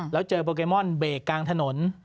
แล้วเจอโปเกมอนเบรกกลางถนน